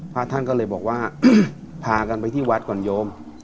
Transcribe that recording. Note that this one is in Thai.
พระท่านก็เลยบอกว่าพากันไปที่วัดก่อนโยม